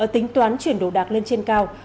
tính toán chuyển đồ đạc lên trên cao